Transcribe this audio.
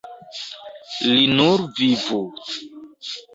Li nur vivu.